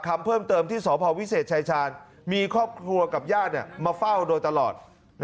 คำเพิ่มเติมที่สพวิเศษชายชาญมีครอบครัวกับญาติมาเฝ้าโดยตลอด